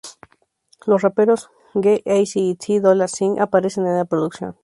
Los raperos G-Eazy y Ty Dolla Sign aparecen en la producción.